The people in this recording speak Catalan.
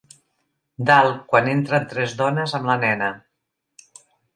Dalt quan entren tres dones amb la nena.